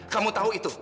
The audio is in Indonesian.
kamu tahu itu